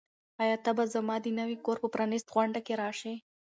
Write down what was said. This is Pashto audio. آیا ته به زما د نوي کور په پرانیستغونډه کې راشې؟